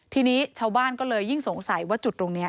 ทีนี้ชาวบ้านก็เลยยิ่งสงสัยว่าจุดตรงนี้